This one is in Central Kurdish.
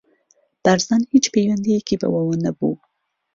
بارزان هیچ پەیوەندییەکی بەوەوە نەبوو.